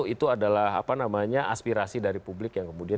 itu adalah apa namanya aspirasi dari publik yang kemudian